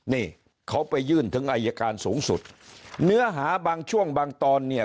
นี่เขาไปยื่นถึงอายการสูงสุดเนื้อหาบางช่วงบางตอนเนี่ย